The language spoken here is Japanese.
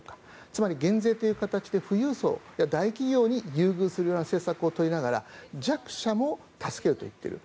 つまり、減税という形で富裕層や大企業に優遇するような政策を取りながら弱者も助けると言っている。